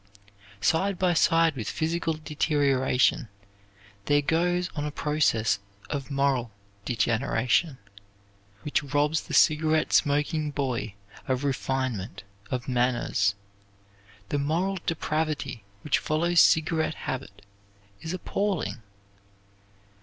Side by side with physical deterioration there goes on a process of moral degeneration which robs the cigarette smoking boy of refinement, of manners. The moral depravity which follows cigarette habit is appalling.